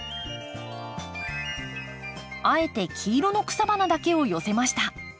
あえて黄色の草花だけを寄せました。